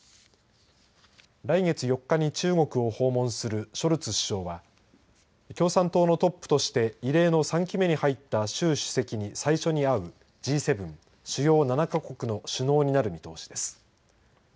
来月４日に中国を訪問するショルツ首相は共産党のトップとして異例の３期目に入った習主席に最初に会う、Ｇ７主要７か国の首脳になる見通しです。